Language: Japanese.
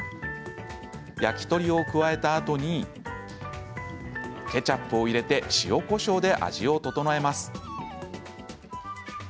焼き鳥を加えたあとにケチャップを入れて塩、こしょうで味を調えます。